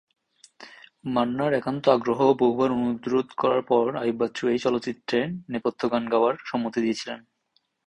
মান্না’র একান্ত আগ্রহ ও বহুবার অনুরোধ করার পর আইয়ুব বাচ্চু এই চলচ্চিত্রে নেপথ্য গান গাওয়ার সম্মতি দিয়েছিলেন।